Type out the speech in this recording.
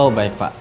oh baik pak